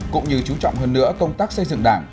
cũng như chú trọng hơn nữa công tác xây dựng đảng